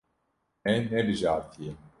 Me nebijartiye.